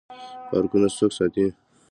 پارکونه څوک ساتي؟